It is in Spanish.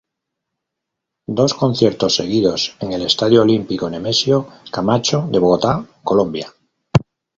Dos conciertos seguidos en el Estadio Olímpico Nemesio Camacho de Bogotá, Colombia.